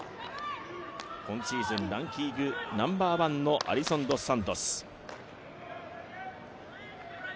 今シーズンランキングナンバーワンのアリソン・ドス・サントス。